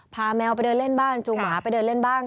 แมวไปเดินเล่นบ้างจูงหมาไปเดินเล่นบ้าง